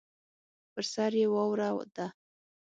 پر سر یې واوره ده.